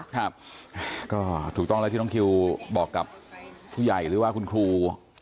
ครับก็ถูกต้องแล้วที่น้องคิวบอกกับผู้ใหญ่หรือว่าคุณครู